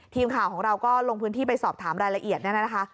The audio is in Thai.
ทีมข่าวของเราก็ลงพื้นที่ไปสอบถามรายละเอียดเนี่ยนะคะ